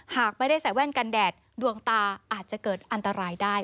หากไม่ได้ใส่แว่นกันแดดดวงตาอาจจะเกิดอันตรายได้